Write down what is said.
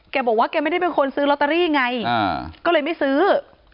แกบอกว่าแกไม่ได้เป็นคนซื้อลอตเตอรี่ไงก็เลยไม่ซื้อ